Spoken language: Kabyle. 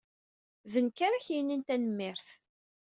D nekk ara ak-yinin tanemmirt.